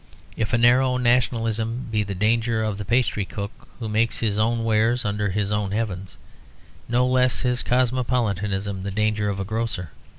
If a narrow nationalism be the danger of the pastry cook, who makes his own wares under his own heavens, no less is cosmopolitanism the danger of the grocer.